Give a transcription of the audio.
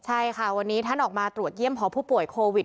ใช่ค่ะวันนี้ท่านออกมาตรวจเยี่ยมหอผู้ป่วยโควิด